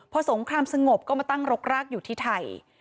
พอสงครามสงบก็มาตั้งรกรากอยู่ที่ไทย